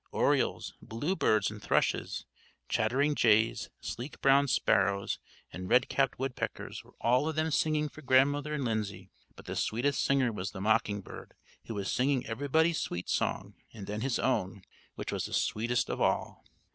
Orioles, bluebirds, and thrushes, chattering jays, sleek brown sparrows, and red capped woodpeckers, were all of them singing for Grandmother and Lindsay; but the sweetest singer was the mocking bird who was singing everybody's sweet song, and then his own, which was the sweetest of all.